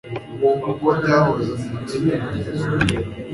nkuko byahoze munsi yumurizo